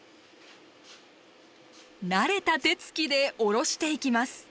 慣れた手つきでおろしていきます。